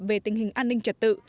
về tình hình an ninh trật tự